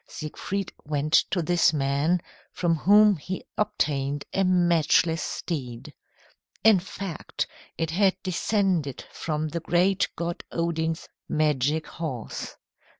Siegfried went to this man, from whom he obtained a matchless steed. In fact it had descended from the great god Odin's magic horse.